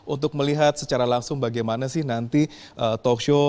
untuk melihat secara langsung bagaimana sih nanti talkshow